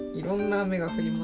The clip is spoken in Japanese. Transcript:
「雨が降ります。